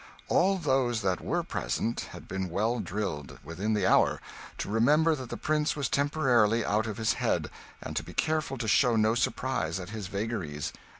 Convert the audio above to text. All those that were present had been well drilled within the hour to remember that the prince was temporarily out of his head, and to be careful to show no surprise at his vagaries.